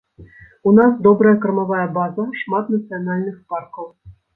У нас добрая кармавая база, шмат нацыянальных паркаў.